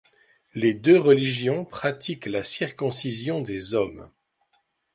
Les deux religions pratiquent la circoncision des hommes.